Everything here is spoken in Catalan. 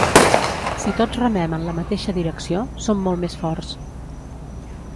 Si tots remem en la mateixa direcció, som molt més forts.